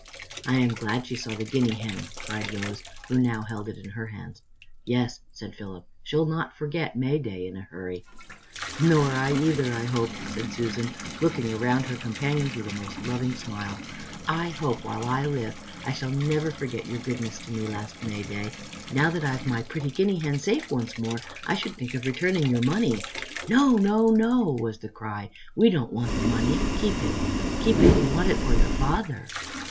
"I am glad she saw the guinea hen," cried Rose, who now held it in her hands. "Yes," said Philip, "she'll not forget Mayday in a hurry." "Nor I either, I hope," said Susan, looking round upon her companions with a most loving smile: "I hope, while I live, I shall never forget your goodness to me last Mayday. Now that I've my pretty guinea hen safe once more, I should think of returning your money." "No! no! no!" was the cry, "we don't want the money keep it keep it you want it for your father."